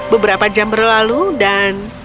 beberapa jam berlalu dan